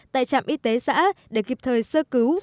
tại trạm y tế xã để kịp thời sơ cứu